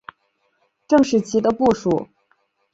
郑士琦的部属。